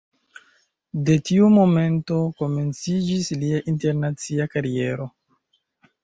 De tiu momento komenciĝis lia internacia kariero.